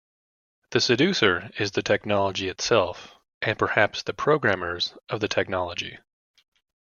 The 'seducer' is the technology itself, and perhaps the programmers of the technology.